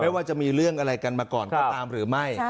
ว่าจะมีเรื่องอะไรกันมาก่อนก็ตามหรือไม่